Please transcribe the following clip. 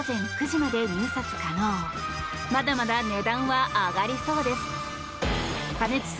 まだまだ値段は上がりそうです。